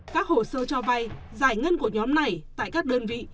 các hồ sơ cho vay giải ngân của nhóm này tại các đơn vị